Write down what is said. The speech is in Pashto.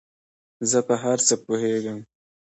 زۀ په هر څه پوهېږم